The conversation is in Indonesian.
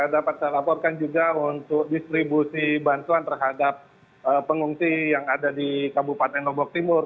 dapat saya laporkan juga untuk distribusi bantuan terhadap pengungsi yang ada di kabupaten lombok timur